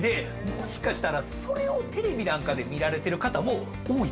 もしかしたらそれをテレビなんかで見られてる方も多いと思うんですよ。